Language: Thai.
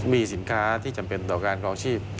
มีสินค้าที่จำเป็นต่อการครองชีพ